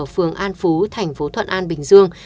tại thành phố thuận an bình dương